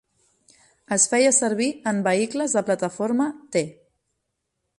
Es feia servir en vehicles de plataforma T.